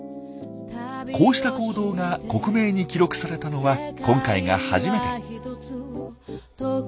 こうした行動が克明に記録されたのは今回が初めて。